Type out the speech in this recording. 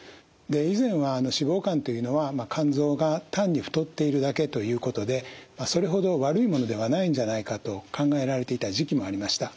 以前は脂肪肝というのは肝臓が単に太っているだけということでそれほど悪いものではないんじゃないかと考えられていた時期もありました。